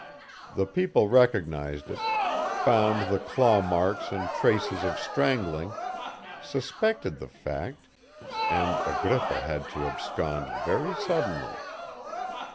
The people recognized it, found the claw marks and traces of strangling, suspected the fact, and Agrippa had to abscond very suddenly.